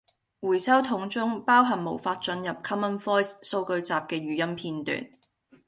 回收桶中包含無法進入 Common Voice 數據集既語音片段